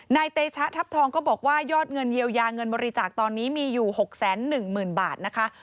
เตชะทัพทองก็บอกว่ายอดเงินเยียวยาเงินบริจาคตอนนี้มีอยู่๖๑๐๐๐บาทนะคะ